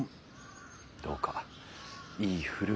どうかいいふる